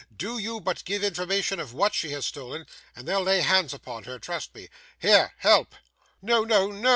Do you but give information of what she has stolen, and they'll lay hands upon her, trust me. Here! Help!' 'No, no, no!